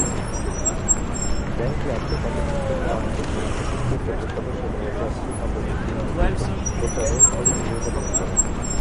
ব্যাংকটি আর্থিক অন্তর্ভুক্তি এবং আর্থিক অন্তর্ভুক্তির জোটের সদস্য এবং এটি আর্থিক অন্তর্ভুক্তি নীতি প্রচারে সক্রিয় ভূমিকা পালন করে।